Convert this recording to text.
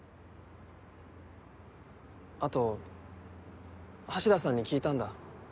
あと橋田さんに聞いたんだ。